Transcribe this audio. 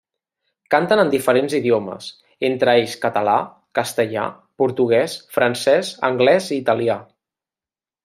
Canten en diferents idiomes, entre ells català, castellà, portuguès, francès, anglès i italià.